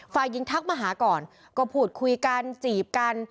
ฝ่ายหญิงทักมาหาก่อนก็พูดคุยกันจีบกัน